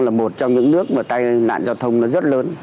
là một trong những nước mà tai nạn giao thông nó rất lớn